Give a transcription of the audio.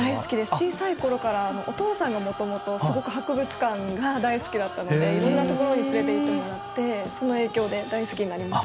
小さい頃からお父さんがもともとすごく博物館が大好きだったのでいろんな所に連れていってもらってその影響で大好きになりました。